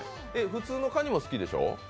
普通のかにも好きでしょ？